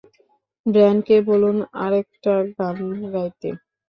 ব্যান্ডকে বলুন আরেকটা গান গাইতে!